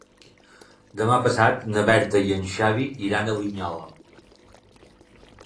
Demà passat na Berta i en Xavi iran a Linyola.